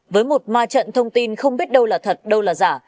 với một ma trận thông tin không biết đâu là thật đâu là giả